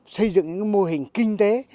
xây dựng mô hình kinh tế